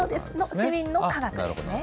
市民の科学ですね。